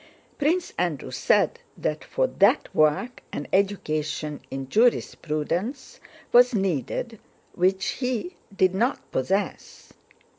Prince Andrew said that for that work an education in jurisprudence was needed which he did not possess.